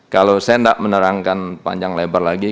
kalau saya tidak menerangkan panjang lebar lagi